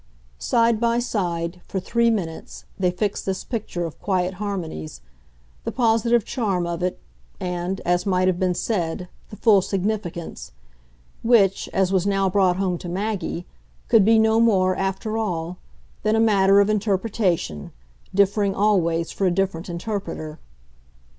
Side by side, for three minutes, they fixed this picture of quiet harmonies, the positive charm of it and, as might have been said, the full significance which, as was now brought home to Maggie, could be no more, after all, than a matter of interpretation, differing always for a different interpreter.